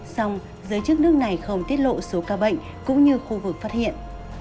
song giới chức nước này không tiết lộ số ca bệnh cũng như khu vực phát hiện